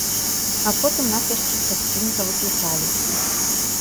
А потым нас яшчэ часценька выклікалі.